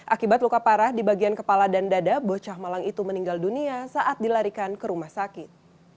akibat luka parah di bagian kepala dan dada bocah malang itu meninggal dunia saat dilarikan ke rumah sakit